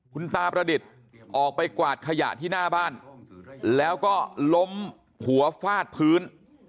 คุณตาประดิษฐ์ออกไปกวาดขยะที่หน้าบ้านแล้วก็ล้มหัวฟาดพื้น